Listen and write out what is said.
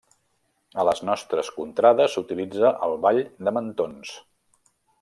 A les nostres contrades s'utilitza al ball de mantons.